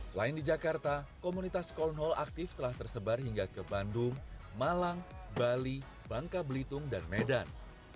selain di jakarta komunitas scan hall aktif telah tersebar hingga ke bandung malang bali bangka belitung dan medan